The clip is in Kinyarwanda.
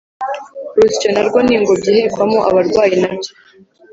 urusyo narwo n’ingobyi ihekwamo abarwayi nabyo